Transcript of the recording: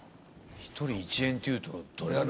一人１円っていうとどれだけの？